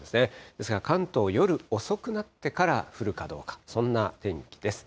ですから関東、夜遅くなってから降るかどうか、そんな天気です。